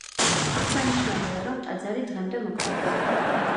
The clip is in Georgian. აღსანიშნავია, რომ ტაძარი დღემდე მოქმედია.